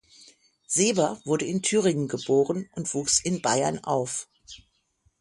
Seeber wurde in Thüringen geboren und wuchs in Bayern auf.